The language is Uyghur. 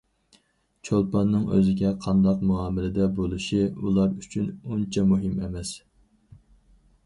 چولپاننىڭ ئۆزىگە قانداق مۇئامىلىدە بولۇشى ئۇلار ئۈچۈن ئۇنچە مۇھىم ئەمەس.